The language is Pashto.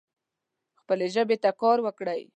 خپلې ژبې ته کار وکړئ